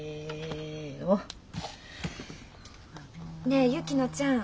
ねえ薫乃ちゃん。